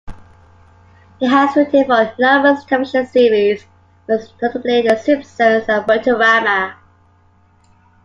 He has written for numerous television series, most notably "The Simpsons" and "Futurama".